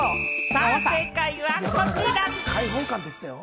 さぁ、正解はこちら。